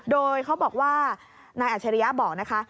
โดยเขาบอกว่านายอัชริยะบอกนะคะ